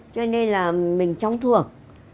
cho nên là mình trống thuộc